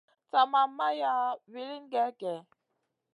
Sa ma maya wilin gey gèh.